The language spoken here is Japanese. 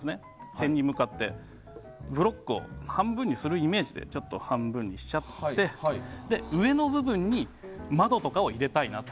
点に向かってブロックを半分にするイメージで半分にしちゃって、上の部分に窓とかを入れたいなと。